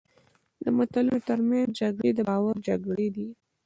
د ملتونو ترمنځ جګړې د باور جګړې دي.